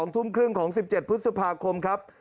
๒ทุ่มครึ่งของ๑๗พฤษภาคมครับ